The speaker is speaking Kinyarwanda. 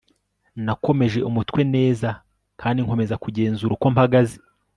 nakomeje umutwe neza kandi nkomeza kugenzura uko mpagaze